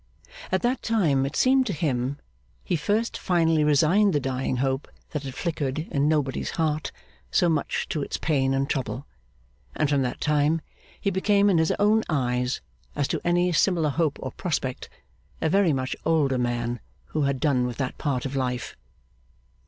At that time, it seemed to him, he first finally resigned the dying hope that had flickered in nobody's heart so much to its pain and trouble; and from that time he became in his own eyes, as to any similar hope or prospect, a very much older man who had done with that part of life.